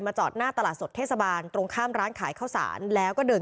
จอดหน้าตลาดสดเทศบาลตรงข้ามร้านขายข้าวสารแล้วก็เดิน